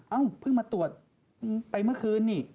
เอ้าเพิ่งมาตรวจไปเมื่อคืนนี่